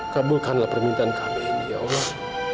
kabulkanlah permintaan kami ya allah